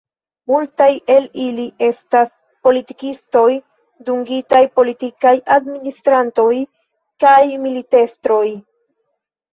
Multaj el ili estas politikistoj, dungitaj politikaj administrantoj, kaj militestroj.